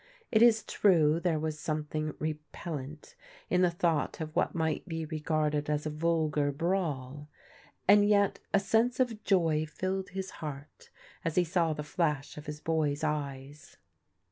It is true there was something re pellent in the thought of what might be regarded as a vulgar brawl, and yet a sense of joy filled his heart as he saw the flash of his boy's eyes.